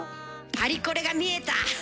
パリコレが見えた！